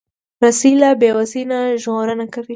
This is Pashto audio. رسۍ له بیوسۍ نه ژغورنه کوي.